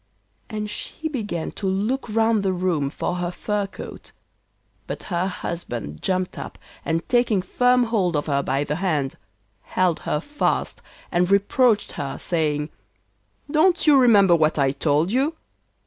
And she began to look round the room for her fur coat, but her husband jumped up, and taking firm hold of her by the hand, held her fast, and reproached her, saying: 'Don't you remember what I told you?